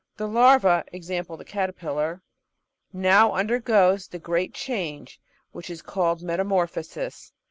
The larva (i.e. the cater pillar) now undergoes the great change which is called meta morphosis.